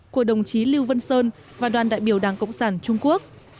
của đồng chí lưu vân sơn và đoàn đại biểu đảng cộng sản trung quốc